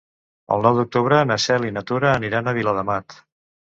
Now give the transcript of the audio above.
El nou d'octubre na Cel i na Tura aniran a Viladamat.